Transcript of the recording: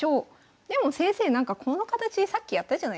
でも先生この形さっきやったじゃないですか。